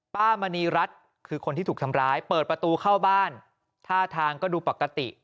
มณีรัฐคือคนที่ถูกทำร้ายเปิดประตูเข้าบ้านท่าทางก็ดูปกติ